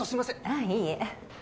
ああいいえ。